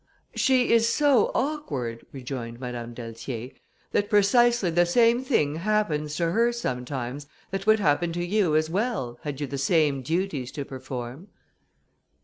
"She is so awkward," rejoined Madame d'Altier, "that precisely the same thing happens to her sometimes, that would happen to you as well, had you the same duties to perform."